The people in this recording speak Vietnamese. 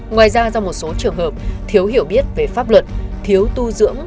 ngoài ra do một số trường hợp thiếu hiểu biết về pháp luật thiếu tu dưỡng